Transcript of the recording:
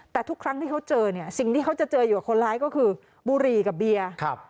แต่ทุกครั้งที่เขาเจอเนี่ยสิ่งที่เขาจะเจออยู่กับคนร้ายก็คือบุหรี่กับเบียร์ครับ